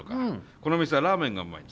この店はラーメンがうまいんだ。